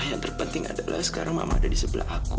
yang terpenting adalah sekarang mama ada di sebelah aku